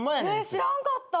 知らんかった！